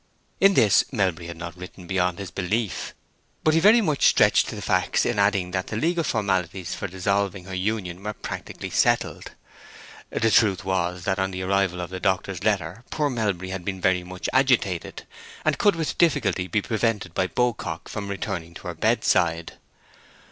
In this Melbury had not written beyond his belief. But he very much stretched the facts in adding that the legal formalities for dissolving her union were practically settled. The truth was that on the arrival of the doctor's letter poor Melbury had been much agitated, and could with difficulty be prevented by Beaucock from returning to her bedside.